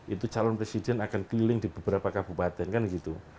itu calon presiden akan keliling di beberapa kabupaten kan gitu